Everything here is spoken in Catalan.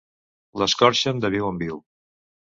L'escorxen de viu en viu.